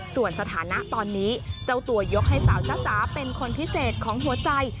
ส่วนสถานะตอนนี้เจ้าตัวยกให้สาวจ้าจ๋าเป็นคนพิเศษของหัวใจ